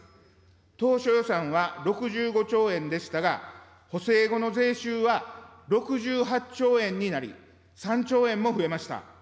当初予算は６５兆円ですから、補正後の税収は６８兆円になり、３兆円も増えました。